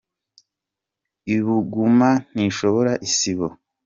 Ibuguma ntishobora isibo.